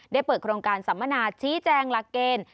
ได้เปิดโครงการสัมมนาชี้แจงหลักเกณฑ์